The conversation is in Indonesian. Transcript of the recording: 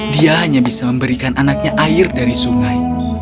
dia hanya bisa memberikan anaknya air dari sungai